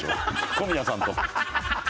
小宮さんと。